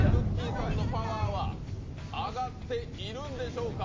さんのパワーは上がっているんでしょうか。